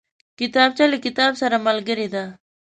کتابچه له کتاب سره ملګرې ده